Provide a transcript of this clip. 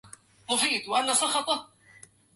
هي طبيبة الآن.